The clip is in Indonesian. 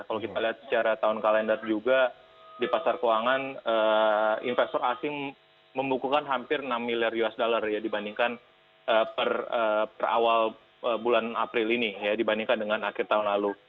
kalau kita lihat secara tahun kalender juga di pasar keuangan investor asing membukukan hampir enam miliar usd ya dibandingkan per awal bulan april ini dibandingkan dengan akhir tahun lalu